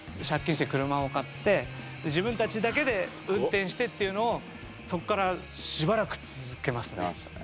借金して車を買って自分たちだけで運転してっていうのをそっからしばらく続けますね。